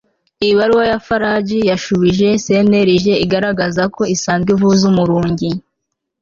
Ibaruwa ya FARG yashubije CNLG igaragaza ko isanzwe ivuza Umurungi